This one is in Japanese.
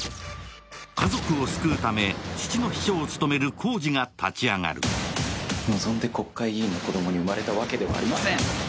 家族を救うため父の秘書を務める晄司が立ち上がる望んで国会議員の子供に生まれたわけではありません！